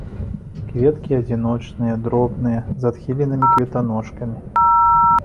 Кветкі адзіночныя, дробныя, з адхіленымі кветаножкамі.